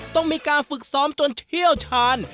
ต้องมีการฝึกซ้อมจนเชี่ยวชาญ